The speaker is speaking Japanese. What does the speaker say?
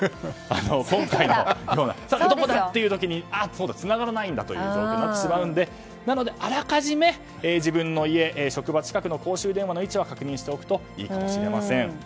今回のような時につながらないんだという状況になってしまうのでなのであらかじめ自分の家、職場近くの公衆電話の位置は確認しておくといいかもしれません。